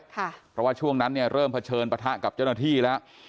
เพราะว่าช่วงนั้นเนี่ยเริ่มเผชิญปะทะกับเจ้าหน้าที่แล้ว